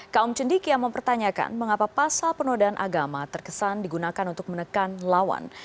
kaum cendiki yang mempertanyakan mengapa pasal penodaan agama terkesan digunakan untuk menekan lawan